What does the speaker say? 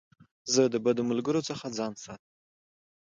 زه د بدو ملګرو څخه ځان ساتم.